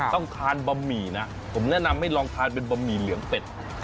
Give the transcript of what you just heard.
ต้องทานบะหมี่นะผมแนะนำให้ลองทานเป็นบะหมี่เหลืองเป็ด